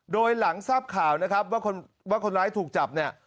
โดยหลังทราบข่าวนะครับว่าคนร้ายถูกจับเนี่ย